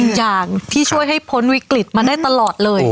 สิ่งศักดิ์สิทธิ์อีกอย่างที่ช่วยให้พ้นวิกฤตมาได้ตลอดเลย